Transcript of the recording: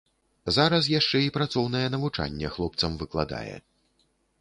Зараз яшчэ і працоўнае навучанне хлопцам выкладае.